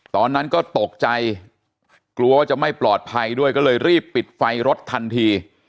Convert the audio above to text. ตอนนั้นก็ตกใจกลัวว่าจะไม่ปลอดภัยด้วยก็เลยรีบปิดไฟรถทันที